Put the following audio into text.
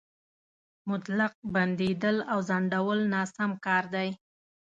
مطلق بندېدل او ځنډول ناسم کار دی.